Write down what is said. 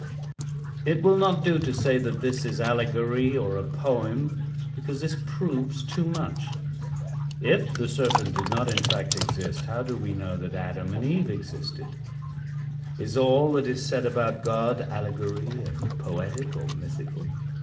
It will not do to say that this is allegory, or a poem, because this proves too much. If the Serpent did not in fact exist, how do we know that Adam and Eve existed? Is all that is said about God allegory, and poetic, or mythical?